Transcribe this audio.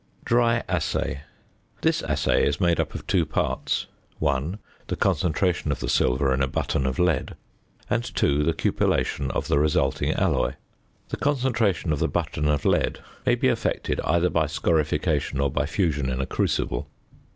~Dry Assay.~ This assay is made up of two parts: (1) the concentration of the silver in a button of lead; and (2) the cupellation of the resulting alloy. The concentration of the button of lead may be effected either by scorification or by fusion in a crucible.